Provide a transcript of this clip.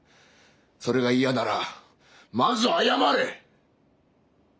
それが嫌ならまず謝れ！